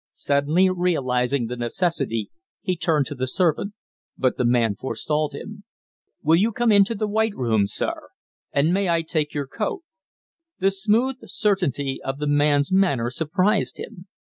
Suddenly realizing the necessity, he turned to the servant; but the man forestalled him: "Will you come to the white room, sir? And may I take your coat?" The smooth certainty of the man's manner surprised him.